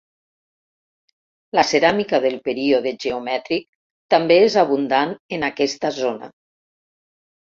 La ceràmica del període geomètric també és abundant en aquesta zona.